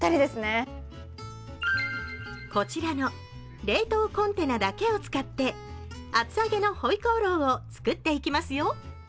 こちらの冷凍コンテナだけを使って厚揚げのホイコーローを作っていきますよ。